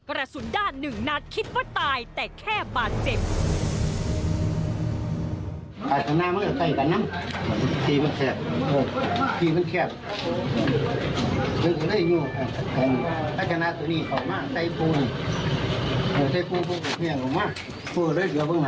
กระสุนด้านหนึ่งนัดคิดว่าตายแต่แค่บาดเจ็บ